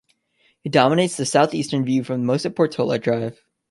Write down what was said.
It dominates the southeastern view from most of Portola Drive.